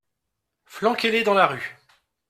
Flanquez-les dans la rue !